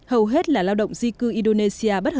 hầu hết là lao động di cư indonesia